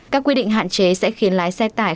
các quy định hạn chế sẽ khiến lái xe tải